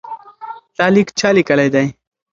دا لیک چا لیکلی دی؟